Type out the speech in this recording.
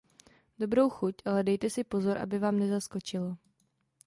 Dobrou chuť, ale dejte si pozor, aby vám nezaskočilo.